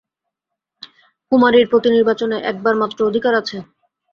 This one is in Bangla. কুমারীর পতিনির্বাচনে একবার মাত্র অধিকার আছে।